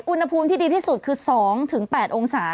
อุณหภูมิที่ดีที่สุดคือ๒๘องศา